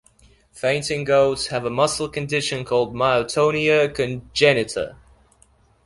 Fainting goats have a muscle condition called myotonia congenita.